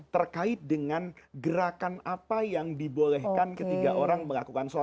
terkait dengan gerakan apa yang dibolehkan ketika orang melakukan sholat